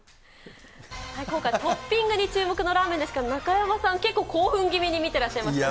今回トッピングに注目のラーメンですが、中山さん、結構興奮気味に見てらっしゃいましたけど。